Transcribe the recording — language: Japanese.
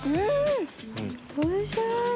おいしい！